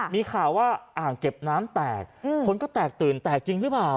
มีข่าวว่าอ่างเก็บน้ำแตกคนก็แตกตื่นแตกจริงหรือเปล่า